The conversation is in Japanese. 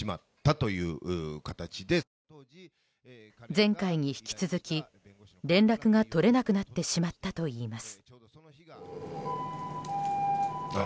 前回に引き続き連絡が取れなくなってしまったといいます。